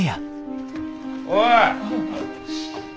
おい！